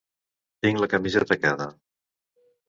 Tinc la camisa tacada.